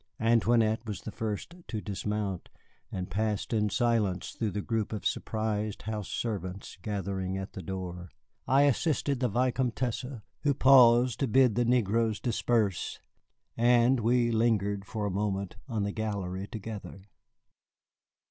Antoinette was the first to dismount, and passed in silence through the group of surprised house servants gathering at the door. I assisted the Vicomtesse, who paused to bid the negroes disperse, and we lingered for a moment on the gallery together.